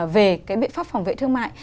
về cái biện pháp phòng vệ thương mại